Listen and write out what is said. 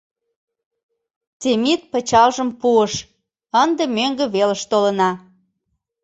Темит пычалжым пуыш, ынде мӧҥгӧ велыш толына.